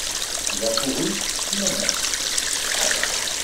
Il a couru kilomètres.